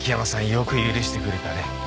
よく許してくれたね。